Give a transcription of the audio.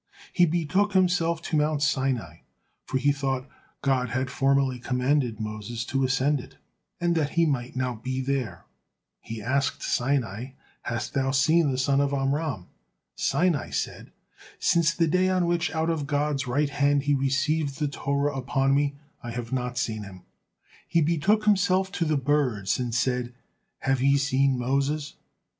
He betook himself to mount Sinai, for he thought God had formerly commanded Moses to ascend it, and that he might now be there. He asked Sinai, "Hast thou seen the son of Amram?" Sinai said, "Since the day on which out of God's right hand he received the Torah upon me, I have not seen him." He betook himself to the birds and said, "Have ye seen Moses?"